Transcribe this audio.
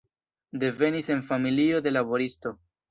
Devenis en familio de laboristo.